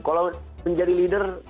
kalau menjadi leader